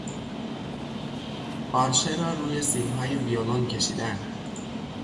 آرشه را روی سیمهای ویولن کشیدن